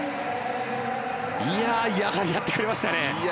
やはり、やってくれましたね。